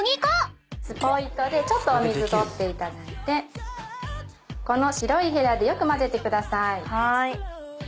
スポイトでちょっとお水取っていただいてこの白いヘラでよく混ぜてください。